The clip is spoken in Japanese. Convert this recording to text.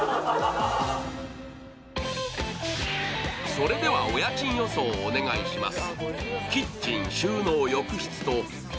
それではお家賃予想をお願いします。